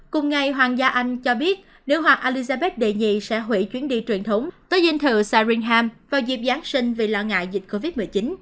cùng ngày hoàng gia anh cho biết nữ hoạt elizabeth ii sẽ hủy chuyến đi truyền thống tới dinh thự saringham vào dịp giáng sinh vì lo ngại dịch covid một mươi chín